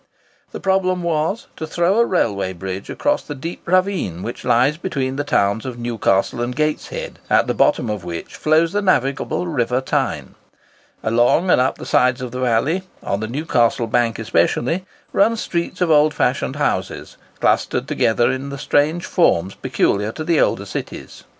The problem was, to throw a railway bridge across the deep ravine which lies between the towns of Newcastle and Gateshead, at the bottom of which flows the navigable river Tyne. Along and up the sides of the valley—on the Newcastle bank especially—run streets of old fashioned houses, clustered together in the strange forms peculiar to the older cities.